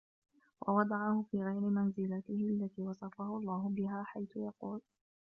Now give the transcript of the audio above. وَوَضَعَهُ فِي غَيْرِ مَنْزِلَتِهِ الَّتِي وَصَفَهُ اللَّهُ بِهَا حَيْثُ يَقُولُ